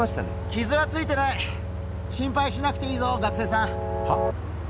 傷はついてない心配しなくていいぞ学生さんはッ？